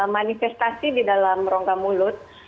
manifestasi di dalam rongga mulut